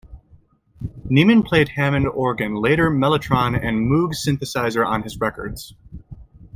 Niemen played Hammond organ, later mellotron and Moog synthesizer on his records.